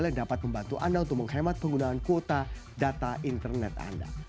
yang dapat membantu anda untuk menghemat penggunaan kuota data internet anda